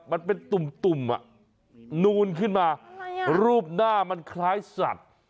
มันเป็นตุ่มนูนขึ้นมารูปหน้ามันคล้ายสัตว์